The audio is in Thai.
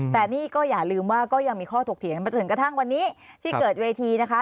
แต่นี่ก็อย่าลืมว่าก็ยังมีข้อถกเถียงไปจนกระทั่งวันนี้ที่เกิดเวทีนะคะ